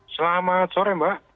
selamat sore mbak